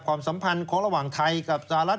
สัมพันธ์ของระหว่างไทยกับสหรัฐ